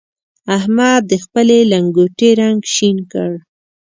احمد د خپلې لنګوټې رنګ شين کړ.